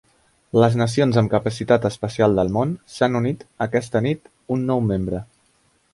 Les nacions amb capacitat espacial del món, s'han unit aquesta nit un nou membre: